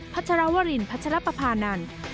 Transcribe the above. ัชรวรินพัชรปภานันทร์